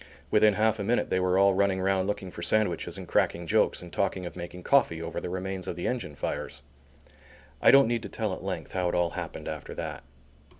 Within half a minute they were all running round looking for sandwiches and cracking jokes and talking of making coffee over the remains of the engine fires. I don't need to tell at length how it all happened after that.